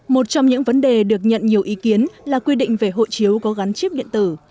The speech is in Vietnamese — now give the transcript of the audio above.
một trong những vấn đề được nhận nhiều ý kiến là quy định về hộ chiếu có gắn chip điện tử